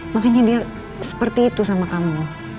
makanya dia seperti itu sama kamu